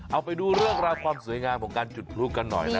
เอาไปดูเรื่องราวความสวยงามของการจุดพลุกันหน่อยนะ